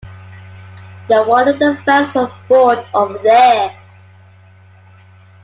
No wonder the fans are bored over there.